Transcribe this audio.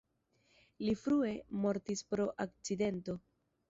Li frue mortis pro akcidento.